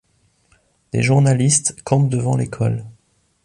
Des journalistes campent devant l'école.